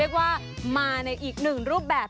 เรียกว่ามาในอีกหนึ่งรูปแบบ